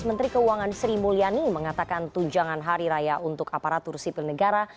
menteri keuangan sri mulyani mengatakan tunjangan hari raya untuk aparatur sipil negara